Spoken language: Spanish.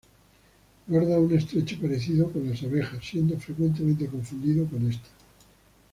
Guarda un estrecho parecido con las abejas siendo frecuentemente confundido con estas.